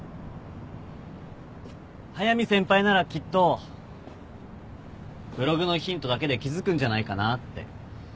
速見先輩ならきっとブログのヒントだけで気付くんじゃないかなって。